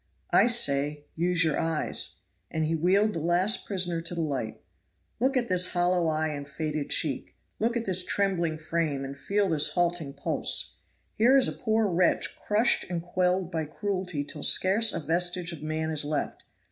"I say use your eyes." And he wheeled the last prisoner to the light. "Look at this hollow eye and faded cheek; look at this trembling frame and feel this halting pulse. Here is a poor wretch crushed and quelled by cruelty till scarce a vestige of man is left.